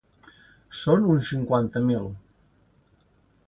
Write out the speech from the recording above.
Són uns cinquanta mil.